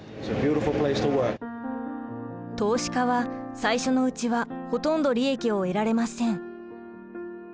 投資家は最初のうちはほとんど利益を得られません。